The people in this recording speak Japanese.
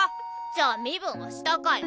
じゃあ身分は下かよ。